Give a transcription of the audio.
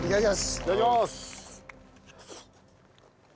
いただきます。